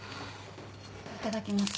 いただきます。